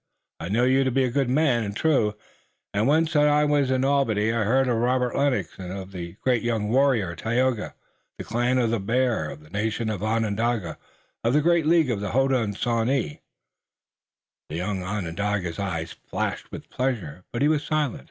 "I know you to be a good man and true, and once when I was at Albany I heard of Robert Lennox, and of the great young warrior, Tayoga, of the clan of the Bear, of the nation Onondaga, of the great League of the Hodenosaunee." The young Onondaga's eyes flashed with pleasure, but he was silent.